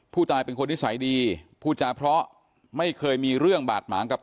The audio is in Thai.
ผู้ตายเป็นคนนิสัยดีพูดจาเพราะไม่เคยมีเรื่องบาดหมางกับ